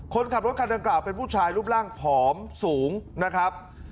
คนขับรถคันดังกล่าวเป็นผู้ชายรูปร่างผอมสูงนะครับ